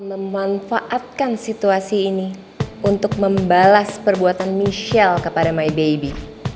memanfaatkan situasi ini untuk membalas perbuatan michelle kepada my baby